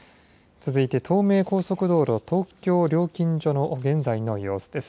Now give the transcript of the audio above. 続いて東名高速道路東京料金所の現在の様子です。